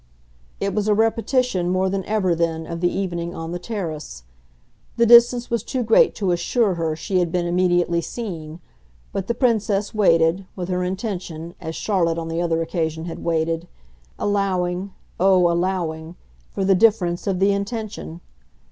It was a repetition more than ever then of the evening on the terrace; the distance was too great to assure her she had been immediately seen, but the Princess waited, with her intention, as Charlotte on the other occasion had waited allowing, oh allowing, for the difference of the intention!